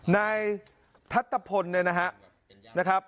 ในทัศตพลนะครับ